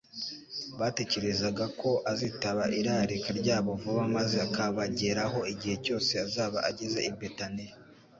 Batekerezaga ko azitaba irarika ryabo vuba maze akabageraho igihe cyose azaba ageze i Betaniya.